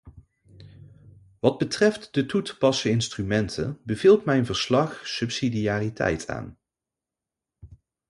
Wat betreft de toe te passen instrumenten, beveelt mijn verslag subsidiariteit aan.